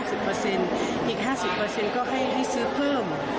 อีก๕๐ก็ให้ซื้อเพิ่ม